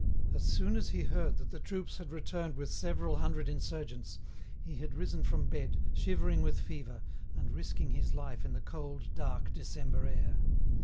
As soon as he heard that the troops had returned with several hundred insurgents, he had risen from bed, shivering with fever, and risking his life in the cold, dark December air.